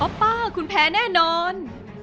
ป้าคุณแพ้แน่นอน